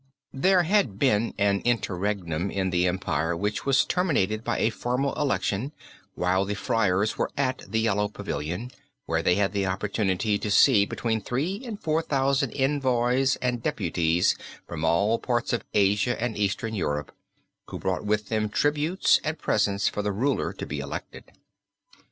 There had been an interregnum in the empire which was terminated by a formal election while the Friars were at the Yellow Pavilion, where they had the opportunity to see between three and four thousand envoys and deputies from all parts of Asia and Eastern Europe, who brought with them tributes and presents for the ruler to be elected.